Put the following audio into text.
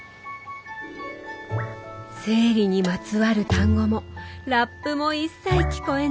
生理にまつわる単語もラップも一切聞こえない。